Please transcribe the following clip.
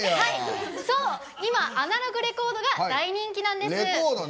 そう、今アナログレコードが大人気なんです。